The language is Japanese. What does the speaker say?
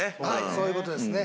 そういう事ですね。